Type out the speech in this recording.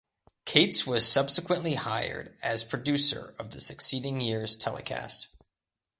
Cates was subsequently hired as producer of the succeeding year's telecast.